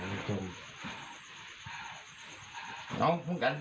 โอ้ยอินินอนิ